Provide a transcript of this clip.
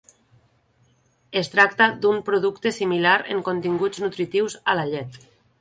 Es tracta d'un producte similar en continguts nutritius a la llet.